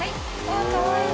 わあかわいい！